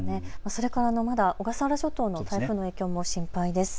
それから小笠原諸島の台風の影響も心配です。